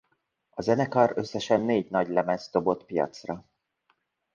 A zenekar összesen négy nagylemezt dobott piacra.